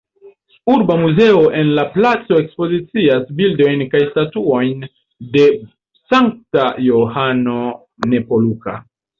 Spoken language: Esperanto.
Urba muzeo en la placo ekspozicias bildojn kaj statuojn de sankta Johano Nepomuka.